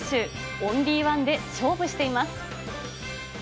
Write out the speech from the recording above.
オンリーワンで勝負しています。